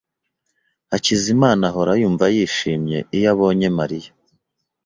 Hakizimana ahora yumva yishimye iyo abonye Mariya.